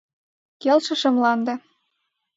- Келшыше мланде...